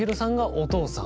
お父さん。